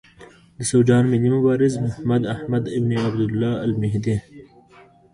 د سوډان ملي مبارز محمداحمد ابن عبدالله المهدي.